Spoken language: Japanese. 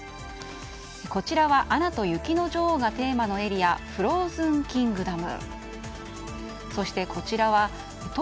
こちらは「アナと雪の女王」がテーマのエリアフローズンキングダム。